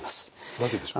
なぜでしょう？